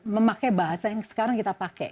memakai bahasa yang sekarang kita pakai